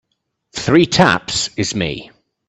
Three taps is me.